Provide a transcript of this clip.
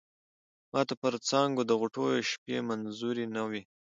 ماته پر څانگو د غوټیو شپې منظوری نه وې